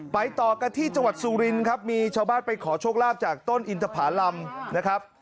ต่อกันที่จังหวัดสุรินครับมีชาวบ้านไปขอโชคลาภจากต้นอินทภารำนะครับ